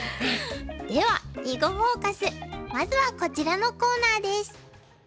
では「囲碁フォーカス」まずはこちらのコーナーです。